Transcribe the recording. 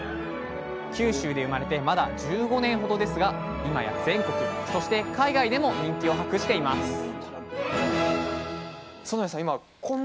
九州で生まれてまだ１５年ほどですが今や全国そして海外でも人気を博しています園屋さん